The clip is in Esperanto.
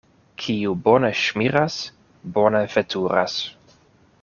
Kiu bone ŝmiras, bone veturas.